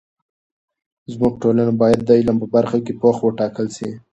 زموږ ټولنه باید د علم په برخه کې پوخ وټاکل سي.